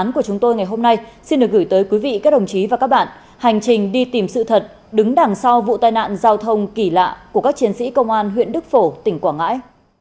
quý vị các đồng chí và các bạn hành trình đi tìm sự thật đứng đằng sau vụ tai nạn giao thông kỳ lạ của các chiến sĩ công an huyện đức phổ tỉnh quảng ngãi